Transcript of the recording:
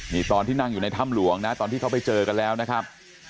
นี่ตอนที่นั่งอยู่ในถ้ำหลวงนะตอนที่เขาไปเจอกันแล้วนะครับ